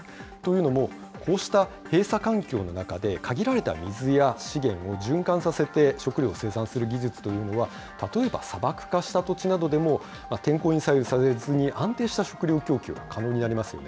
というのも、こうした閉鎖環境の中で、限られた水や資源を循環させて、食料を生産する技術というのは、例えば、砂漠化した土地などでも天候に左右されずに安定した食料供給が可能になりますよね。